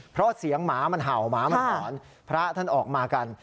เพราะเสียงหมามันเห่าหมามันหอนพระท่านออกมากัน